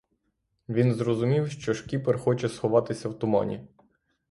Він зрозумів, що шкіпер хоче сховатися в тумані.